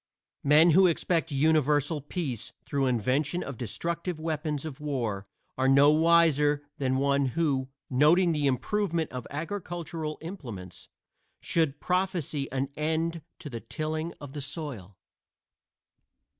Men who expect universal peace through invention of destructive weapons of war are no wiser than one who, noting the improvement of agricultural implements, should prophesy an end to the tilling of the soil.